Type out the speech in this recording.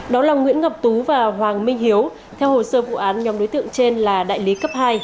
đó là nguyễn ngọc tú và hoàng minh hiếu theo hồ sơ vụ án nhóm đối tượng trên là đại lý cấp hai